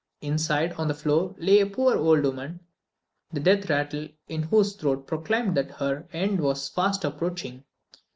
Inside, on the floor, lay a poor old woman, the death rattle in whose throat proclaimed that her end was fast approaching.